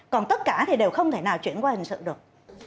còn tất cả thì đều không thể nào chuyển qua hình sự được